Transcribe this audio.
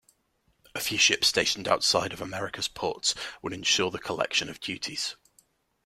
A few ships stationed outside of Americas ports would ensure the collection of duties.